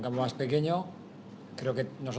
yang banyak berkoordinasi